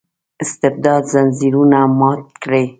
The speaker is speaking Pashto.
استبداد ځنځیرونه مات کړي.